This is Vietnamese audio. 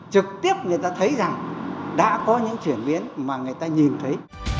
trực tiếp người ta thấy rằng đã có những chuyển biến mà người ta nhìn thấy